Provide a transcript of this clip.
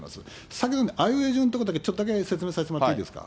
先ほどね、あいうえお順っていうところだけ、ちょっとだけ、説明させてもらっていいですか？